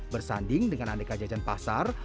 bersanding dengan adek adekan pasar